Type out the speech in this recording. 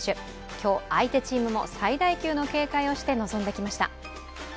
今日、相手チームも最大級の警戒をして臨んできました。